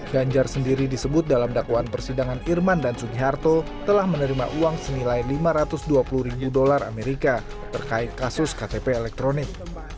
ganjar sendiri disebut dalam dakwaan persidangan irman dan sugiharto telah menerima uang senilai lima ratus dua puluh ribu dolar amerika terkait kasus ktp elektronik